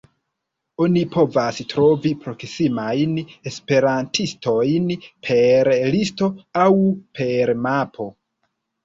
Oni povas trovi proksimajn esperantistojn per listo aŭ per mapo.